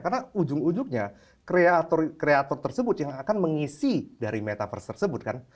karena ujung ujungnya kreator kreator tersebut yang akan mengisi dari metaverse tersebut kan